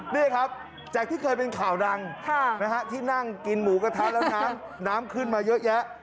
นี่ครับจากที่เคยเป็นข่าวดังที่นั่งกินหมูกระทะแล้วน้ำขึ้นมาเยอะแยะ